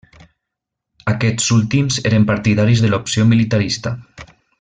Aquests últims eren partidaris de l'opció militarista.